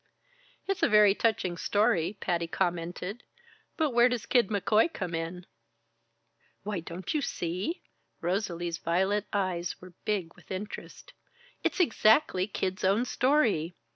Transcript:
"It's a very touching story," Patty commented, "but where does Kid McCoy come in?" "Why, don't you see?" Rosalie's violet eyes were big with interest. "It's exactly Kid's own story!